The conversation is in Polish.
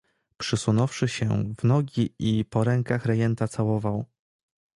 "Przysunąwszy się, w nogi i po rękach rejenta całował."